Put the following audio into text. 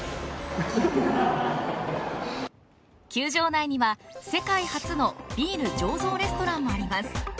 球場内には世界初のビール醸造レストランもあります。